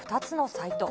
サイト。